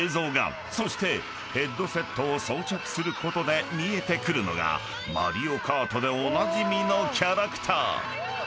［そしてヘッドセットを装着することで見えてくるのが『マリオカート』でおなじみのキャラクター］